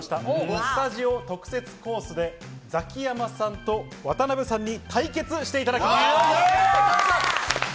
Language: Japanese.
スタジオ特設コースでザキヤマさんと渡邊さんに対決していただきます。